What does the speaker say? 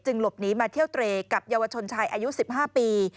หลบหนีมาเที่ยวเตรกับเยาวชนชายอายุ๑๕ปี